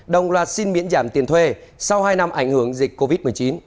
đồng loạt xin miễn giảm tiền thuê sau hai năm ảnh hưởng dịch covid một mươi chín